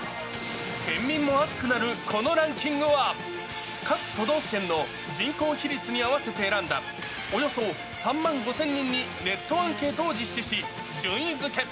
県民も熱くなるこのランキングは、各都道府県の人口比率に合わせて選んだ、およそ３万５０００人にネットアンケートを実施し、順位付け。